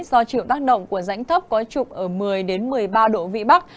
do chịu tác động của rãnh thấp có trục ở một mươi một mươi ba độ vĩ bắc